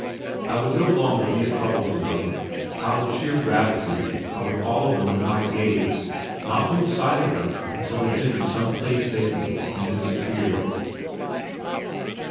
I would no longer be a trouble to them; out of sheer gratitude I would follow them with my gaze, not lose sight of them until they entered some place safely and disappeared.